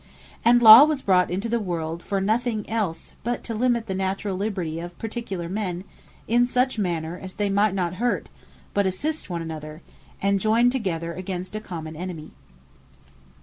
And Law was brought into the world for nothing else, but to limit the naturall liberty of particular men, in such manner, as they might not hurt, but assist one another, and joyn together against a common Enemy.